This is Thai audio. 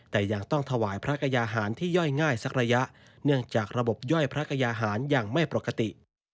แต่ยังต้องถวายพระกยาหารที่ย่อยง่ายสักระยะเนื่องจากระบบย่อยพระกยาหารยังไม่ปกติ